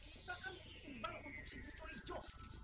kita kan itu timbang untuk si buto ijo